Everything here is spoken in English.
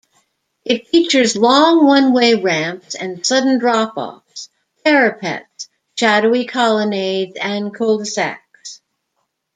It features long one-way ramps and sudden drop-offs, parapets, shadowy colonnades and cul-de-sacs.